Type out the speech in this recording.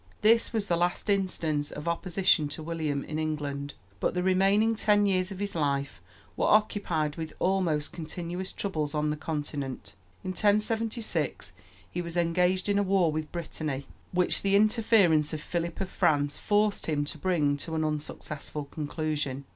This was the last instance of opposition to William in England; but the remaining ten years of his life were occupied with almost continuous troubles on the Continent. In 1076 he was engaged in a war with Brittany, which the interference of Philip of France forced him to bring to an unsuccessful conclusion.